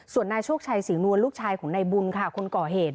ส่วนนายโชคชัยศรีนวลลูกชายของนายบุญค่ะคนก่อเหตุ